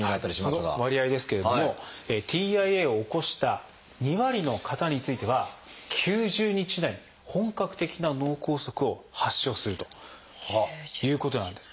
その割合ですけれどもＴＩＡを起こした２割の方については９０日以内に本格的な脳梗塞を発症するということなんです。